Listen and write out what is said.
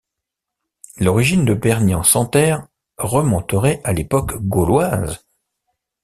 L'origine de Berny-en-Santerre remonterait à l'époque gauloise.